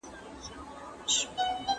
کمپيوټر نرخونه پرتله کوي.